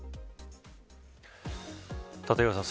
立岩さん